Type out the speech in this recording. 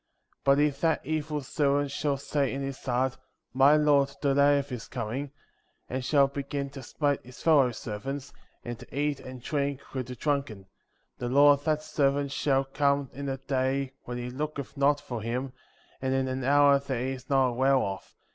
51. But if that evil servant shall say in his heart : My lord delayeth his coming, 52. And shall begin to smite his fellow^servants, and to eat and drink with the drunken, 53. The lord of that servant shall come in a day when he looketh not for him, and in an hour that he is not aware of, 54.